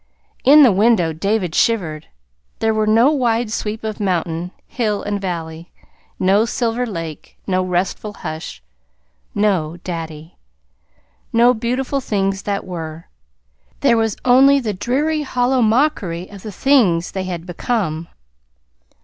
In the window David shivered. There were no wide sweep of mountain, hill, and valley, no Silver Lake, no restful hush, no daddy, no beautiful Things that Were. There was only the dreary, hollow mockery of the Things they had Become.